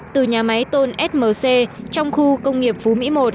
từ nhà máy tôn smc trong khu công nghiệp phú mỹ một